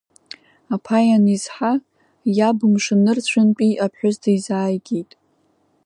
Аԥа ианизҳа, иаб мшын нырцәынтәи аԥҳәыс дизааигеит.